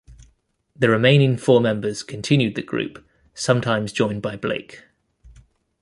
The remaining four members continued the group, sometimes joined by Blake.